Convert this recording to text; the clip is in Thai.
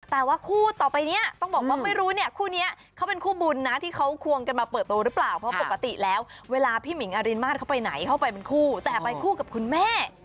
แต่ว่าคู่ต่อไปเนี่ยต้องบอกว่าไม่รู้เนี่ยคู่นี้เขาเป็นคู่บุญนะที่เขาควงกันมาเปิดตัวหรือเปล่าเพราะปกติแล้วเวลาพี่หมิงอรินมาสเข้าไปไหนเข้าไปเป็นคู่แต่ไปคู่กับคุณแม่